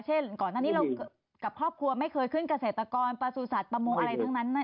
เช่นก่อนนั้นที่เรากับครอบครัวไม่เคยขึ้นเกษตรกรประสูจน์สัตว์ประโมงอะไรทั้งนั้น